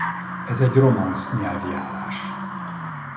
Ez egy romans nyelvjárás.